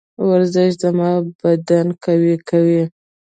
ورزش زما بدن قوي کوي.